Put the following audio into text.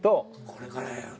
これからやね。